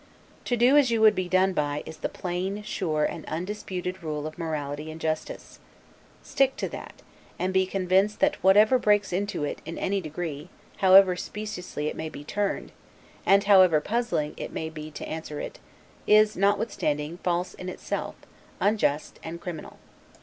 To do as you would be done by, is the plain, sure, and undisputed rule of morality and justice. Stick to that; and be convinced that whatever breaks into it, in any degree, however speciously it may be turned, and however puzzling it may be to answer it, is, notwithstanding, false in itself, unjust, and criminal.